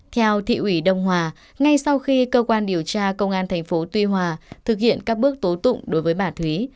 theo thị ủy đông hòa ngay sau khi cơ quan điều tra công an tp tuy hòa thực hiện các bước tố tụng đối với bà thúy